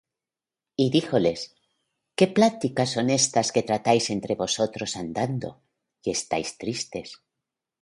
Y díjoles: ¿Qué pláticas son estas que tratáis entre vosotros andando, y estáis tristes?